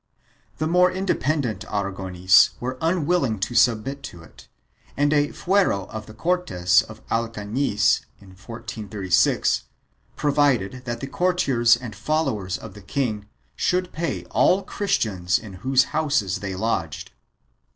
1 The more independent Aragonese were unwilling to submit to it, and a fuero of the Cortes of Alcaniz, in 1436, provided that the courtiers and fol lowers of the king should pay all Christians in whose houses they lodged.